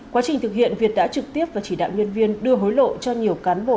quá trình thực hiện việt đã trực tiếp và chỉ đạo nhân viên đưa hối lộ cho nhiều cán bộ